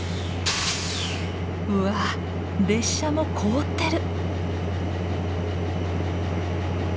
うわ列車も凍ってる！